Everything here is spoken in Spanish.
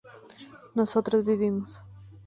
nosotros vivimos